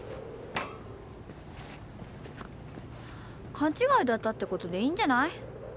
勘違いだったってことでいいんじゃない？